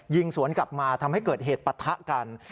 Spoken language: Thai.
ยิงสวนกลับมาทำให้เกิดเหตุปะทะกัน